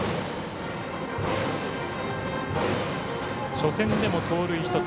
初戦でも盗塁一つ。